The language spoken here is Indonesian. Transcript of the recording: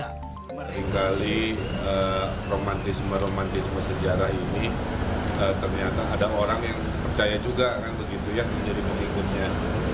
seringkali romantisme romantisme sejarah ini ternyata ada orang yang percaya juga kan begitu ya menjadi pengikutnya